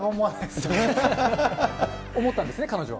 思ったんですね、彼女は。